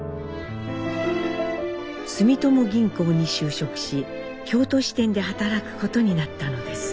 住友銀行に就職し京都支店で働くことになったのです。